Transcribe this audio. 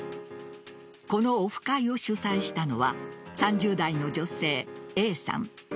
このオフ会を主催したのは３０代の女性Ａさん。